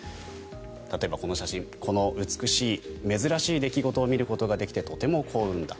例えばこの写真この美しい、珍しい出来事を見ることができてとても光栄だ。